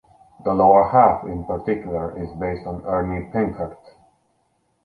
The lower half in particular is based on Ernie Pinckert.